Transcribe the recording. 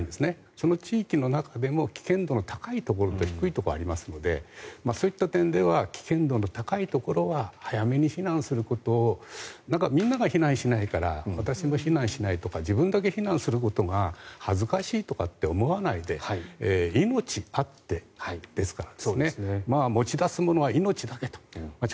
その地域の中でも危険度の高いところと低いところがありますのでそういった点では危険度の高いところは早めに避難することをみんなが避難しないから私も避難しないとか自分だけ避難することが恥ずかしいとかって思わないで命あってですから。